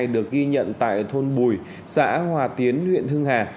được ghi nhận tại thôn bùi xã hòa tiến huyện hưng hà